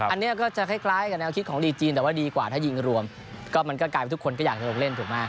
อันนี้ก็จะคล้ายกับแนวคิดของลีกจีนแต่ว่าดีกว่าถ้ายิงรวมก็มันก็กลายเป็นทุกคนก็อยากจะลงเล่นถูกไหม